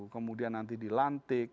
kemudian nanti dilantik